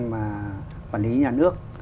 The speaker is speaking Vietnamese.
mà quản lý nhà nước